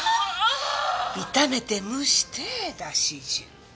炒めて蒸して出し汁。